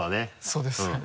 そうですね。